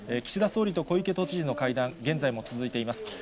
岸田総理と小池都知事の会談、現在も続いています。